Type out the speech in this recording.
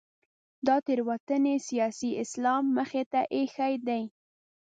دا تېروتنې سیاسي اسلام مخې ته اېښې دي.